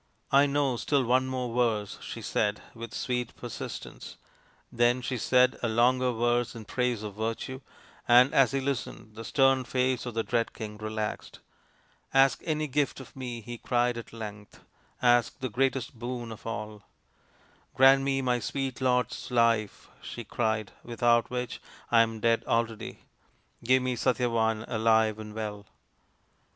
" I know still one more verse, 55 she said with sweet persistence. Then she said a longer verse in praise of Virtue, and as he listened the stern face of the dread King relaxed. " Ask any gift of me," he cried at length. " Ask the greatest boon of all" " Grant me my sweet lord's life," she cried, " without which I am dead already. Give me Satyavan, alive and well."